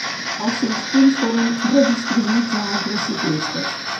Els seus punts foren redistribuïts a altres ciclistes.